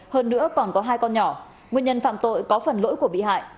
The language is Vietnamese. hơn nữa còn có hai con nhỏ nguyên nhân phạm tội có phần lỗi của bị hại